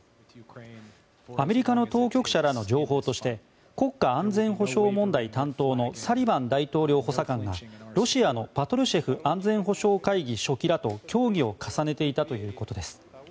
アメリカの当局者らの情報として国家安全保障問題担当のサリバン大統領補佐官がロシアのパトルシェフ安全保障会議書記らと協議を重ねていたということです。